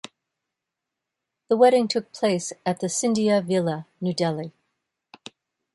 The wedding took place at the Scindia Villa, New Delhi.